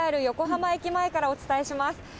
横浜駅前からお伝えします。